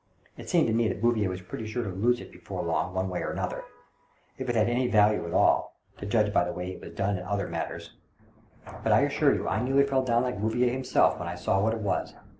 It seemed to me that Bouvier was pretty sure to lose it before long, one way or another, if it had any value at all, to judge by the way he was done in other 144 THE DOBRINGTON DEED BOX matters. But I assure you I nearly fell down like Bouvier himself when I saw what it was.